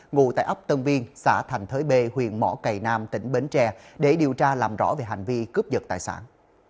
ngủ tại ấp tân viên xã thành thới bê huyện mỏ cầy nam tỉnh bến tre để điều tra làm rõ về hành vi cướp giật tài sản